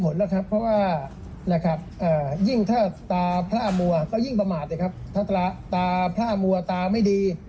สร้างผลขาดมากกว่าเดิม